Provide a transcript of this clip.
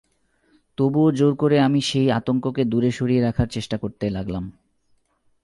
তবুও জোর করে আমি সেই আতঙ্ককে দূরে সরিয়ে রাখার চেষ্টা করতে লগলাম।